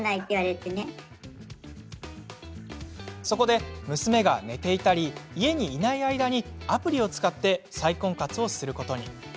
そこで、娘が寝ていたり家にいない間に、アプリを使って再婚活をすることに。